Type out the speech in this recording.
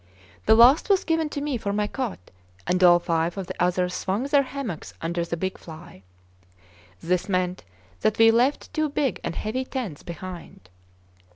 The last was given to me for my cot, and all five of the others swung their hammocks under the big fly. This meant that we left two big and heavy tents behind.